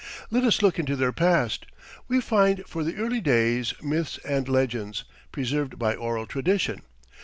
Let us look into their past. We find for the early days myths and legends, preserved by oral tradition.